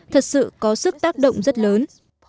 thật sự có sức tác động rất lớn